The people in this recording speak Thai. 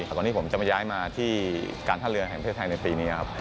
ตอนนี้ผมจะมาย้ายมาที่การท่าเรือแห่งประเทศไทยในปีนี้ครับ